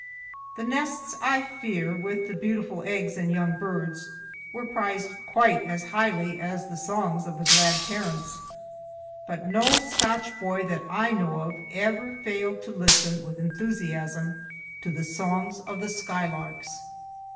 The nests, I fear, with the beautiful eggs and young birds, were prized quite as highly as the songs of the glad parents, but no Scotch boy that I know of ever failed to listen with enthusiasm to the songs of the skylarks.